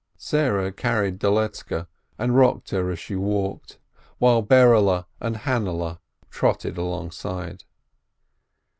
Sarah carried Doletzke, and rocked her as she walked, while Berele and Hannahle trotted alongside.